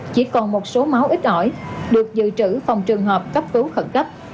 chỉ còn một số máu ít ỏi được dự trữ phòng trường hợp cấp cứu khẩn cấp